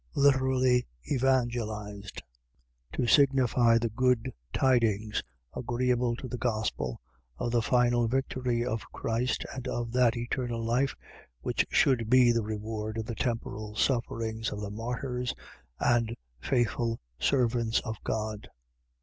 . .literally evangelized, to signify the good tidings, agreeable to the Gospel, of the final victory of Christ, and of that eternal life, which should be the reward of the temporal sufferings of the martyrs and faithful servants of God.